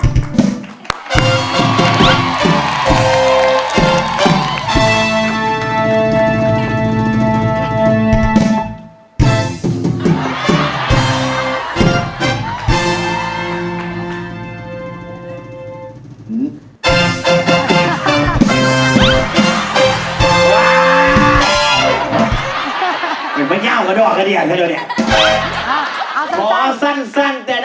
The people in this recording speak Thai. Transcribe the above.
บรมด้านข้างของไป